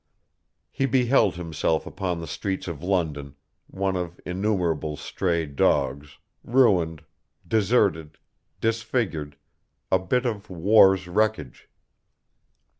He beheld himself upon the streets of London, one of innumerable stray dogs, ruined, deserted, disfigured, a bit of war's wreckage.